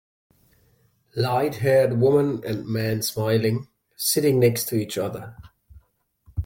Lighthaired woman and man smiling, sitting next to each other.